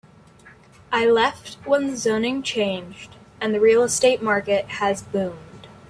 I left when the zoning changed and the real estate market has boomed.